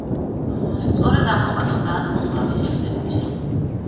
სწორედ ამ კომპანიამ დაასპონსორა მისი ექსპედიცია.